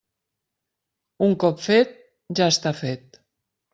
Un cop fet, ja està fet.